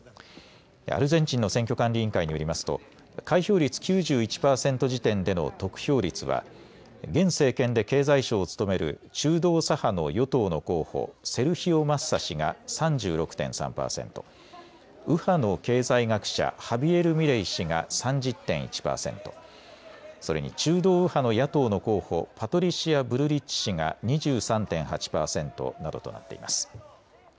アルゼンチンの選挙管理委員会によりますと開票率９１％時点での得票率は現政権で経済相を務める中道左派の与党の候補、セルヒオ・マッサ氏が３６．３％、右派の経済学者、ハビエル・ミレイ氏が３０．１％、それに中道右派の野党の候補、パトリシア・ブルリッチ氏が２３．８％などとなっています。